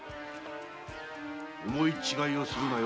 思い違いをするなよ